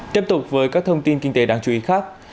tiếp tục với các thông tin kinh tế đáng chú ý khác